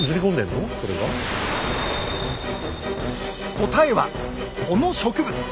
答えはこの植物！